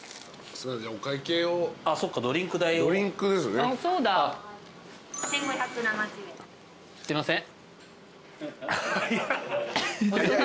「すいません」